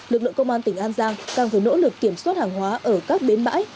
lực lượng công an tỉnh an giang càng phải nỗ lực kiểm soát hàng hóa ở các bến bãi